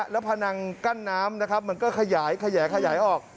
แล้วพนังกั้นน้ำมันก็ขยายขยายขยายออก